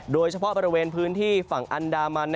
โดยเฉพาะบริเวณพื้นที่ฝั่งอันดามัน